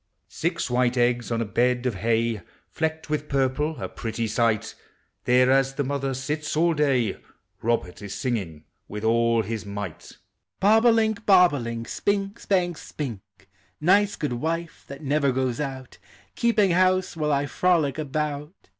Six white eggs on a bed of hay, Flecked with purple, a pretty sight! There as the mother sits all day, Robert is singing with all his might : Bob o' link, bob o' link. Spink', spank, spink ; Nice good wife, lliat never goes out. Keeping house while 1 frolic about.